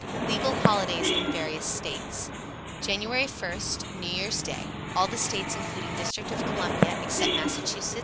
LEGAL HOLIDAYS IN VARIOUS STATES. Jan. 1, New Year's Day. All the States (including District of Columbia), except Mass.